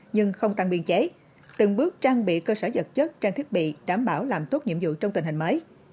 nhưng không tăng biên chế từng bước trang bị cơ sở vật chất trang thiết bị đảm bảo làm tốt nhiệm vụ trong tình hình mới